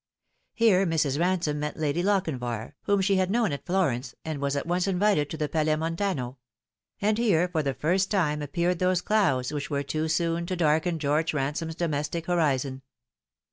Here Mrs. Bansome met Lady Lochinvar, whom she had known at Florence, and was at once invited to the Palais Mon tano ; and here for the first time appeared those clouds which were too soon to darken George Ransome's domestic horizon.